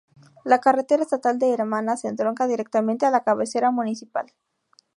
La carretera estatal de Hermanas entronca directamente a la cabecera municipal.